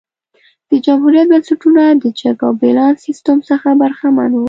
د جمهوریت بنسټونه د چک او بیلانس سیستم څخه برخمن وو